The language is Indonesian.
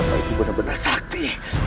ternyata kita pun benar benar sakti